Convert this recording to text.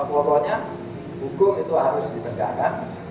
pokoknya hukum itu harus ditegakkan